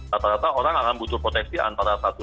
rata rata orang akan butuh proteksi antara satu